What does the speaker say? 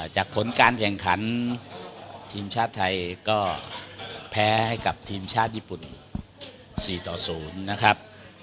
ผลการแข่งขันทีมชาติไทยก็แพ้ให้กับทีมชาติญี่ปุ่น๔ต่อ๐นะครับ